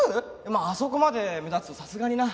まああそこまで目立つとさすがにな。